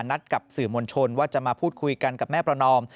นัดกับสื่อมวลชนว่าจะมาพูดคุยกันกับแม่ประนอม